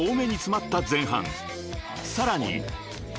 ［さらに］